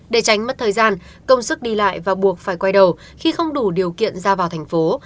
để tránh mất thời gian công sức đi lại và buộc phải quay đầu khi không đủ điều kiện ra vào thành phố